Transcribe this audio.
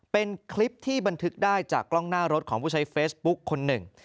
เป็นคลิปที่บันทึกได้จากกล้องหน้ารถของผู้ใช้เฟซบุ๊คคนหนึ่ง